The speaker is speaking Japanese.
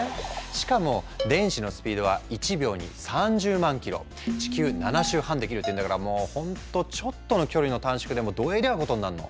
しかも電子のスピードは１秒に３０万キロ地球７周半できるっていうんだからもうほんとちょっとの距離の短縮でもどえりゃことになるの。